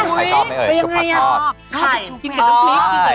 มันเป็นอย่างไร